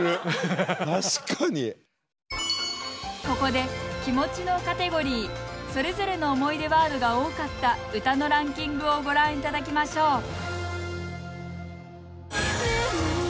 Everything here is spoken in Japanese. ここで「気持ち」のカテゴリーそれぞれの思い出ワードが多かったうたのランキングをご覧頂きましょう。